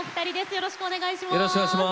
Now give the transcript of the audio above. よろしくお願いします。